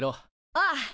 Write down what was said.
ああ。